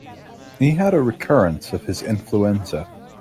He had a recurrence of his influenza.